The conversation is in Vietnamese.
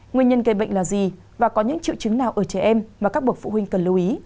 nguyên nhân gây bệnh là gì và có những triệu chứng nào ở trẻ em mà các bậc phụ huynh cần lưu ý